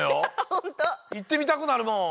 いってみたくなるなあ。